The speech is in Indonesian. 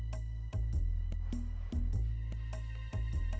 barangkali kita berdua